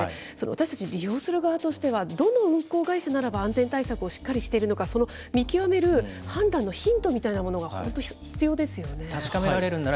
私たち利用する側としては、どの運航会社ならば、安全対策をしっかりしているのか、その見極める判断のヒントみたいなものが本当必要ですよね。